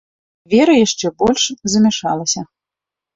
Вера яшчэ больш замяшалася.